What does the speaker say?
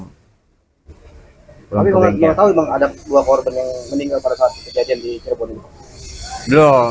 tapi kamu nggak tahu emang ada dua korban yang meninggal pada saat kejadian di cireboni